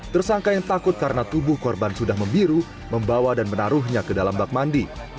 tersangka yang takut karena tubuh korban sudah membiru membawa dan menaruhnya ke dalam bak mandi